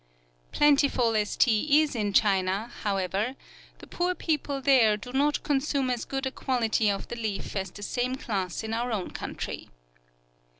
Plentiful as tea is in China, however, the poor people there do not consume as good a quality of the leaf as the same class in our own country.